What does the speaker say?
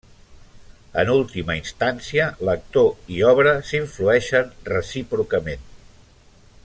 En última instància, lector i obra s'influeixen recíprocament.